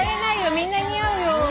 みんな似合うよ。